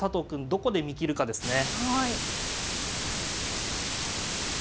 どこで見切るかですね。